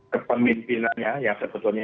kepemimpinannya yang sebetulnya